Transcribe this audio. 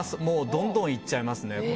どんどんいっちゃいますね。